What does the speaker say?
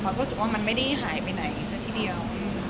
รู้สึกว่ามันไม่ได้หายไปไหนซะทีเดียว